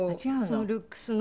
ルックスの。